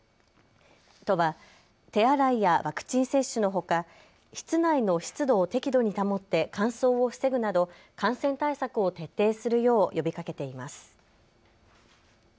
都は手洗いやワクチン接種のほか室内の湿度を適度に保って乾燥を防ぐなど感染対策を徹底するよう呼びかけています。